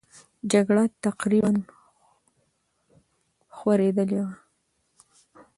جګړه تقریبا خورېدلې وه.